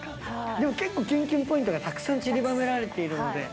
でも、結構きゅんきゅんポイントがたくさんちりばめられているので。